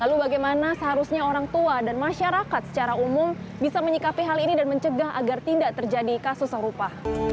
lalu bagaimana seharusnya orang tua dan masyarakat secara umum bisa menyikapi hal ini dan mencegah agar tidak terjadi kasus serupa